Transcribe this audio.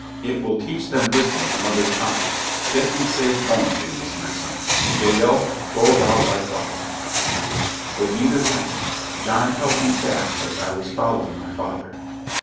It will teach them wisdom another time. Get thee safe home, Phineas, my son; Jael, go thou likewise." But neither went. John held me back as I was following my father.